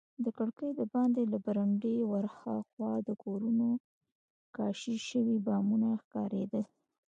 د کړکۍ دباندې له برنډې ورهاخوا د کورونو کاشي شوي بامونه ښکارېدل.